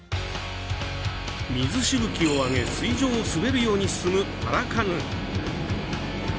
水しぶきを上げ水上を滑るように進むパラカヌー。